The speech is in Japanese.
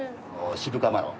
渋皮マロン。